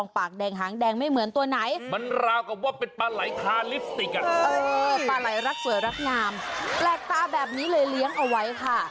แปลกตาแบบนี้เลยเลี้ยงเอาไว้ค่ะ